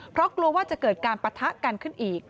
เพราะกลัวว่าจะเกิดการปะทะกันขึ้นอีก